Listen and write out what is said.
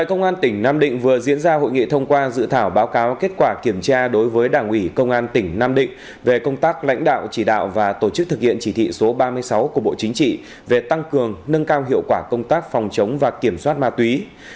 công an tỉnh nam định vừa diễn ra hội nghị thông qua dự thảo báo cáo kết quả kiểm tra đối với đảng ủy công an tỉnh nam định về công tác lãnh đạo chỉ đạo và tổ chức thực hiện chỉ thị số ba mươi sáu của bộ chính trị về tăng cường nâng cao hiệu quả công tác phòng chống và kiểm soát ma túy